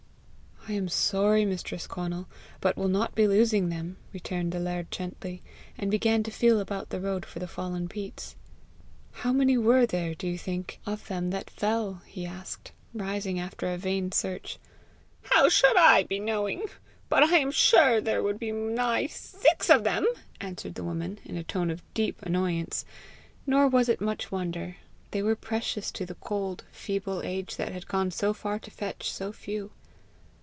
"I am sorry, mistress Conal; but we'll not be losing them," returned the laird gently, and began to feel about the road for the fallen peats. "How many were there, do you think, of them that fell?" he asked, rising after a vain search. "How should I be knowing! But I am sure there would be nigh six of them!" answered the woman, in a tone of deep annoyance nor was it much wonder; they were precious to the cold, feeble age that had gone so far to fetch so few.